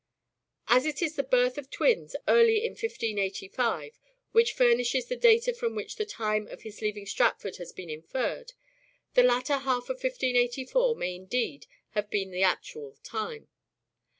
As it is the birth of twins, early in 1585, which furnishes the data from which the time of his leaving Stratford has been inferred, the latter half of 1584 may indeed have been the actual time.